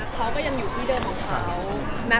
เขาก็ยังอยู่ที่เดิมของเขา